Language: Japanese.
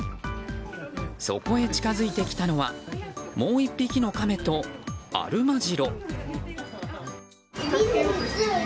そこへ近づいてきたのはもう１匹のカメとアルマジロ。